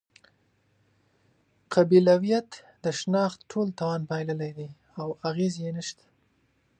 قبیلویت د شناخت ټول توان بایللی دی او اغېز یې نشته.